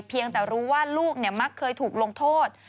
เพียงแต่รู้ว่าลูกมักเคยถูกลงโทษ